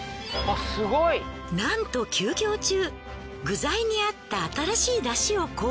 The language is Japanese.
なんと休業中具材にあった新しい出汁を考案。